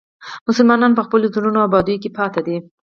مسلمانان په خپلو زړو ابادیو کې پاتې دي.